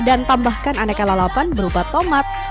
dan tambahkan aneka lalapan berupa tomat